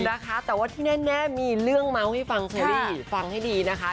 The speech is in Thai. นะคะแต่ว่าที่แน่มีเรื่องเมาส์ให้ฟังเชอรี่ฟังให้ดีนะคะ